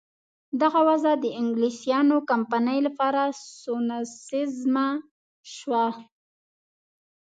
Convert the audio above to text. دغه وضع د انګلیسیانو کمپنۍ لپاره سونسزمه شوه.